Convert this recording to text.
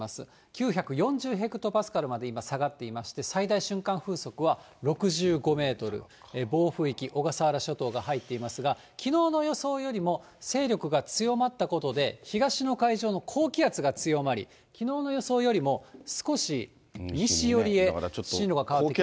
９４０ヘクトパスカルまで今、下がっていまして、最大瞬間風速は６５メートル、暴風域、小笠原諸島が入っていますが、きのうの予想よりも勢力が強まったことで、東の海上の高気圧が強まり、きのうの予想よりも少し西寄りへ進路が変わってきました。